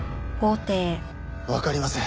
わかりません。